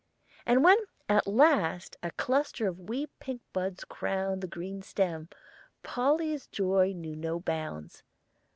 And when at last a cluster of wee pink buds crowned the green stem, Polly's joy knew no bounds.